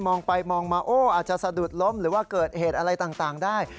ไปมองมาโอ้อาจจะสะดุดล้มหรือว่าเกิดเหตุอะไรต่างได้